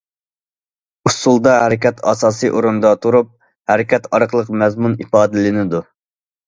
ئۇسسۇلدا ھەرىكەت ئاساسىي ئورۇندا تۇرۇپ ھەرىكەت ئارقىلىق مەزمۇن ئىپادىلىنىدۇ.